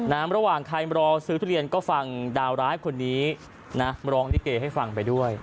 ระหว่างใครมารอซื้อทุเรียนก็ฟังดาวร้ายคนนี้นะร้องลิเกให้ฟังไปด้วย